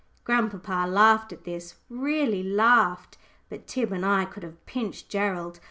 Grandpapa laughed at this, really laughed; but Tib and I could have pinched Gerald.